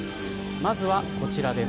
まずは、こちらです。